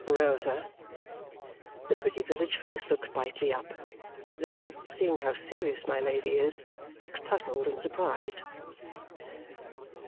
"Rosa." The pretty village face looks brightly up. Then, seeing how serious my Lady is, looks puzzled and surprised.